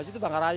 di situ bangaraya